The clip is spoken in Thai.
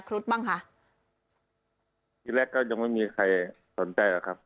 ครุฑบ้างค่ะที่แรกก็ยังไม่มีใครสนใจหรอกครับ